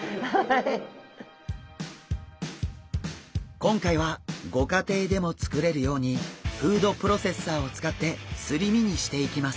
今回はご家庭でも作れるようにフードプロセッサーを使ってすり身にしていきます。